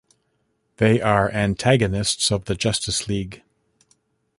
They are antagonists of the Justice League.